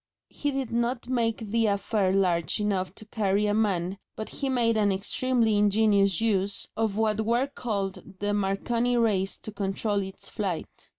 He did not make the affair large enough to carry a man, but he made an extremely ingenious use of what were then called the Marconi rays to control its flight.